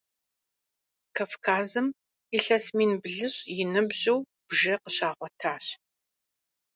Кавказым илъэс мин блыщӏ и ныбжьу бжы къыщагъуэтащ.